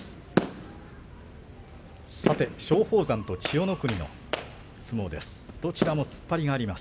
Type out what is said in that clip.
さて土俵は松鳳山と千代の国の相撲です。